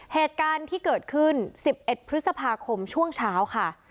เหตุการณ์ที่เกิดขึ้น๑๑พฤษภาคมช่วงเช้าค่ะ